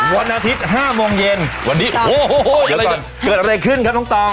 วันอาทิตย์๕โมงเย็นเดี๋ยวก่อนเกิดอะไรขึ้นครับต้อง